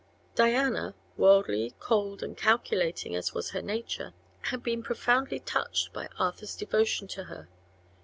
Diana, worldly, cold and calculating as was her nature, had been profoundly touched by Arthur's devotion to her.